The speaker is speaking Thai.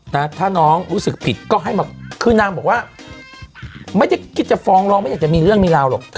นะถ้าน้องรู้สึกผิดก็ให้มาคือนางบอกว่าไม่ได้คิดจะฟ้องร้องไม่อยากจะมีเรื่องมีราวหรอก